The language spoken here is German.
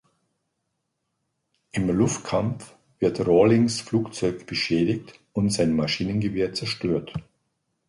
Im Luftkampf wird Rawlings Flugzeug beschädigt und sein Maschinengewehr zerstört.